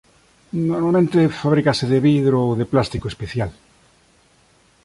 Normalmente fabrícase de vidro ou de plástico especial.